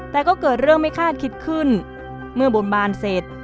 แต่ก็เกิดเรื่องไม่คาดคิดขึ้นเมื่อบนบานเสร็จ